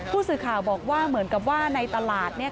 ผู้สื่อข่าวบอกว่าเหมือนกับว่าในตลาด